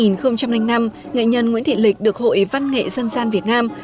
năm hai nghìn năm nghệ nhân nguyễn thị lịch được hội văn nghệ dân gian việt nam